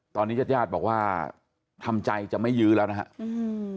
ตอนนี้ญาติญาติบอกว่าทำใจจะไม่ยื้อแล้วนะฮะอืม